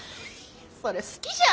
それ好きじゃん！